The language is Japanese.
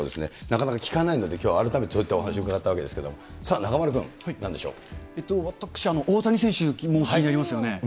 なかなか聞かないので、きょうは改めて、そういったお話伺ったわけですけど、さあ、中丸君、私、大谷選手も気になりますよね。